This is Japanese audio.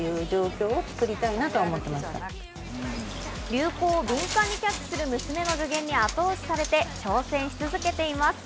流行を敏感にキャッチする娘の助言に後押しされて挑戦し続けています。